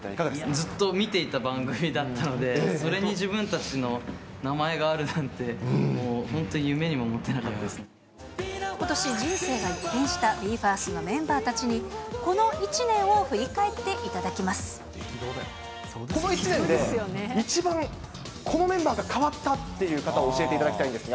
ずっと見ていた番組だったので、それに自分たちの名前があるなんて、もう本当夢にも思ってなことし人生が一変したＢＥ：ＦＩＲＳＴのメンバーたちに、この１年を振り返っていただきまこの１年で一番、このメンバーが変わったっていう方を教えていただきたいんですが。